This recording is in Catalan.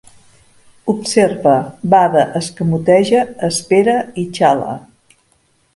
Observa, bada, escamoteja, espera i xala.